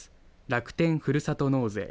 楽天ふるさと納税